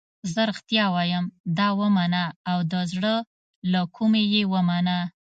زه رښتیا وایم دا ومنه او د زړه له کومې یې ومنه.